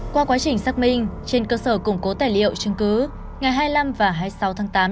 qua quá trình xác minh trên cơ sở củng cố tài liệu chứng cứ ngày hai mươi năm và hai mươi sáu tháng tám năm hai nghìn hai mươi ba